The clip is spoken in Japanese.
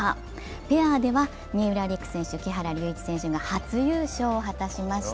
ペアでは三浦璃来選手、木原龍一選手が初優勝を果たしました。